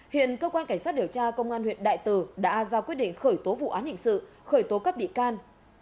hiện cơ quan cảnh sát điều tra công an huyện đại từ đã ra quyết định khởi tố vụ án hình sự khởi tố các bị can